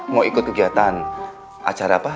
mau ikut kegiatan acara apa